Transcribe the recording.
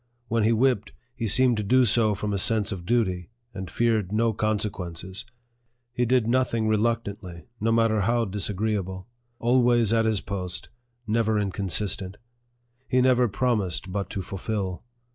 When he whipped, he seemed to do so from a sense of duty, and feared no consequences. He did nothing reluctantly, no matter how disagreeable ; always at his post, never inconsistent. He never promised but to fulfil.